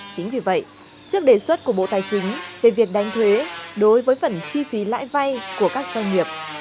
chính vì vậy trước đề xuất của bộ tài chính về việc đánh thuế đối với phần chi phí lãi vay của các doanh nghiệp